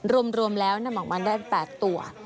รวมแล้วนำออกมาได้๘ตัว